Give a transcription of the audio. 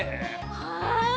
はい。